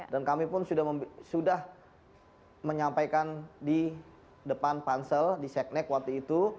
kami pun sudah menyampaikan di depan pansel di seknek waktu itu